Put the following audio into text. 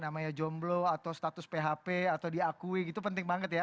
namanya jomblo atau status php atau diakui gitu penting banget ya